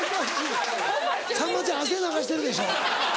さんまちゃん汗流してるでしょ。